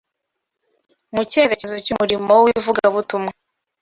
mu cyerekezo cy’umurimo w’ivugabutumwa